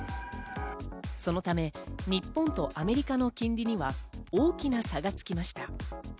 そのため日本とアメリカの金利には大きな差がつきました。